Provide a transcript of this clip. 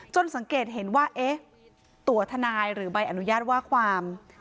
สังเกตเห็นว่าเอ๊ะตัวทนายหรือใบอนุญาตว่าความ